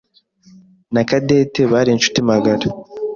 Na Cadette bari inshuti magara.